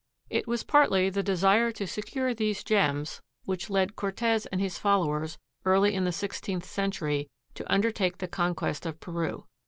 It was partly the desire to secure these gems which led Cortez and his followers, early in the sixteenth century, to undertake the conquest of Peru.